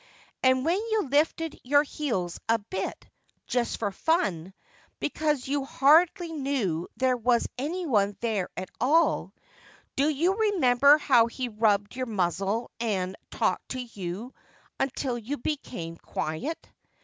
And when you lifted your heels a bit, just for fun, because you hardly knew there was anyone there at all, do you remember how he rubbed your muzzle and talked to you until you became quiet